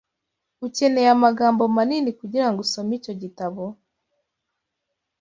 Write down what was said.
Ukeneye amagambo manini kugirango usome icyo gitabo.